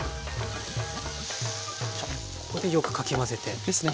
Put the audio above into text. ここでよくかき混ぜて。ですね。